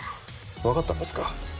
分かったんですか？